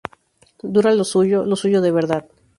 Dura lo suyo, lo suyo de verdad.